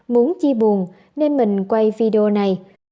muốn chi buồn nên mình quay video này